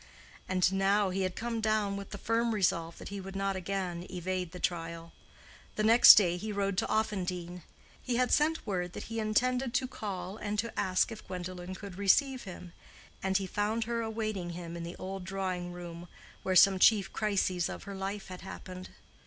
And now he had come down with the firm resolve that he would not again evade the trial. The next day he rode to Offendene. He had sent word that he intended to call and to ask if Gwendolen could receive him; and he found her awaiting him in the old drawing room where some chief crises of her life had happened.